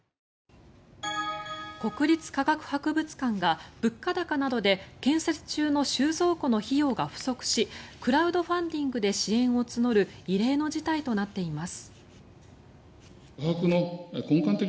国立科学博物館が物価高などで建設中の収蔵庫の費用が不足しクラウドファンディングで支援を募る異例の事態となっています。